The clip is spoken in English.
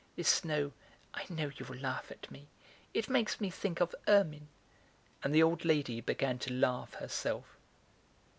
This snow (I know, you'll laugh at me), it makes me think of ermine!" And the old lady began to laugh herself.